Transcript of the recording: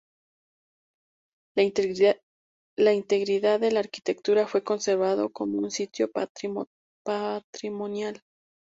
La integridad de la arquitectura fue conservado como un sitio patrimonial.